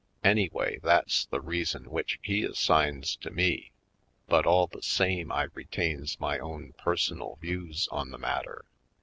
Anyway, that's the reason which he assigns to me, but all the same I retains my own personal views on the matter.